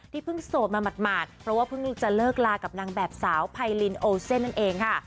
เพิ่งโสดมาหมาดเพราะว่าเพิ่งจะเลิกลากับนางแบบสาวไพรินโอเซ่นนั่นเองค่ะ